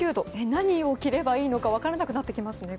何を着ればいいのか分からなくなりますね。